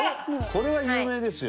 これは有名ですよ。